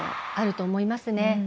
あると思いますね。